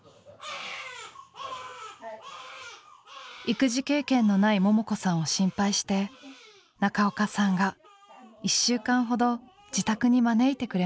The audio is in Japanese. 育児経験のないももこさんを心配して中岡さんが１週間ほど自宅に招いてくれました。